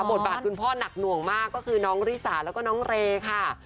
บทบาทคุณพ่อหนักหน่วงมากก็คือน้องริสาแล้วก็น้องเรค่ะ